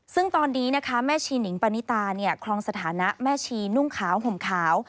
ซึ่งตอนนี้นะคะแม่ชีนิงปณิตาเนี่ยคลองสถานะแม่ชีนุ่งขาวห่มขาว